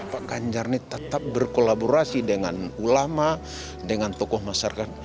pak ganjar ini tetap berkolaborasi dengan ulama dengan tokoh masyarakat